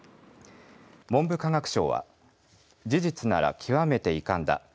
文部科学省は事実なら極めて遺憾だ。